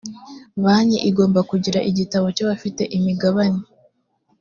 banki igomba kugira igitabo cy’ abafite imigabane.